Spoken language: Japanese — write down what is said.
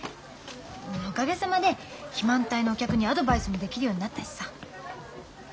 おかげさまで肥満体のお客にアドバイスもできるようになったしさ。